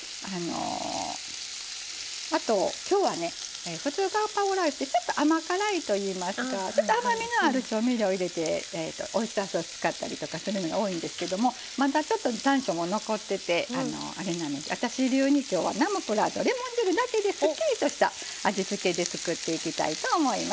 あと今日は普通ガパオライスってちょっと甘辛いといいますかちょっと甘みのある調味料入れてオイスターソース使ったりとかするのが多いんですけどもまだちょっと残暑も残っててあれなので私流に今日はナムプラーとレモン汁だけですっきりとした味付けで作っていきたいと思います。